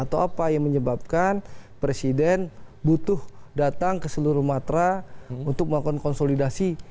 atau apa yang menyebabkan presiden butuh datang ke seluruh matra untuk melakukan konsolidasi